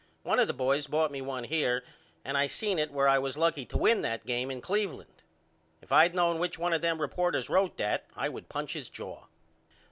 One of the boys bought one here and I seen in it where I was lucky to win that game in Cleveland. If I knowed which one of them reporters wrote that I would punch his jaw.